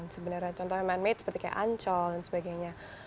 sebenarnya contohnya man made seperti kayak ancol dan sebagainya